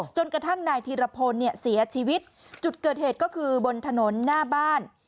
จนกระทั่งนายธีรพลเนี่ยเสียชีวิตจุดเกิดเหตุก็คือบนถนนหน้าบ้าน